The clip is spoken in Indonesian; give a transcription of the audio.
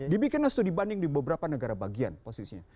dibikin itu dibanding di beberapa negara bagian posisinya